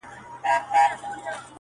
قربانو زړه مـي خپه دى دا څو عمـر.